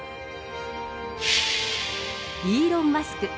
イーロン・マスク。